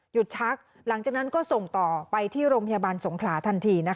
ชักหลังจากนั้นก็ส่งต่อไปที่โรงพยาบาลสงขลาทันที